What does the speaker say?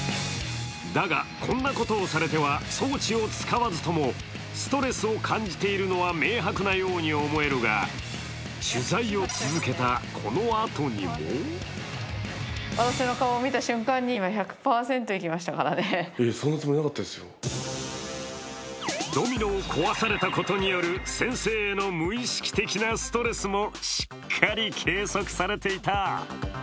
だが、こんなことをされては装置を使わずともストレスを感じているのは明白なように思えるが、取材を続けたこのあとにもドミノを壊されたことによる先生への無意識的なストレスもしっかり計測されていた。